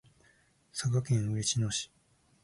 佐賀県嬉野市